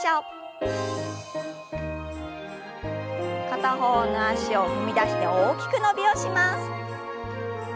片方の脚を踏み出して大きく伸びをします。